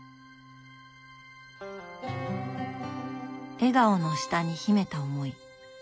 笑顔の下に秘めた思い。